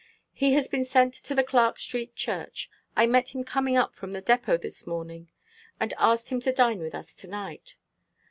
He has been sent to the Clark Street Church. I met him coming up from the depot this morning, and asked him to dine with us to night."